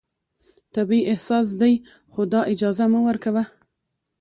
طبیعي احساس دی، خو دا اجازه مه ورکوه